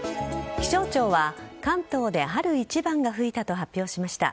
気象庁は関東で春一番が吹いたと発表しました。